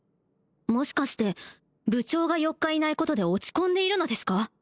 もしかして部長が４日いないことで落ち込んでいるのですか？